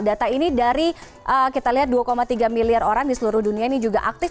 data ini dari kita lihat dua tiga miliar orang di seluruh dunia ini juga aktif